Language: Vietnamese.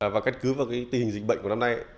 và kết cứu vào tình hình dịch bệnh của năm nay